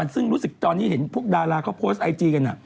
ซึ่งรู้สึกตอนนี้เห็นพวกดาราเขาโพสต์ไอจีกัน